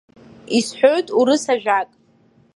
Исҳәоит урыс ажәак.